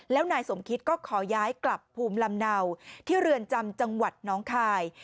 แล้วนายสมคิตก็ขอย้ายกลับภูมิลำเนาที่เรือนจำจังหวัดน้องคาย